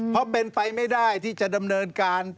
เพราะเป็นไปไม่ได้ที่จะดำเนินการ